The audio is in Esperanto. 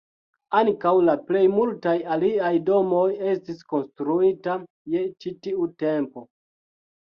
Ankaŭ la plej multaj aliaj domoj estis konstruita je ĉi tiu tempo.